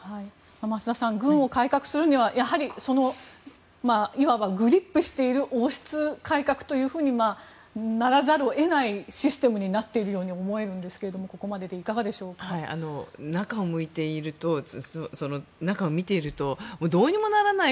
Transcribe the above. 増田さん軍を改革するにはやはりグリップしている王室改革というふうにならざるを得ないシステムになっているように思えるんですけれども中を見ているとどうにもならない